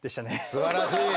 すばらしい。